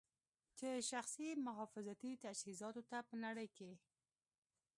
چې شخصي محافظتي تجهیزاتو ته په نړۍ کې